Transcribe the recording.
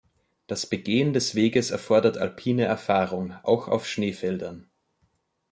Das Begehen des Weges erfordert alpine Erfahrung, auch auf Schneefeldern.